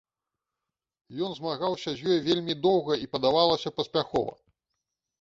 Ён змагаўся з ёй вельмі доўга і, падавалася, паспяхова.